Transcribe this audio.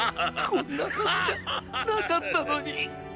こんなはずじゃなかったのに。